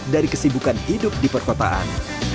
dari kesibukan hidup di perkotaan